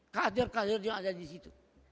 kader kader yang ada disitu